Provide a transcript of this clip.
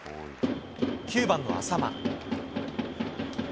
９番の淺間。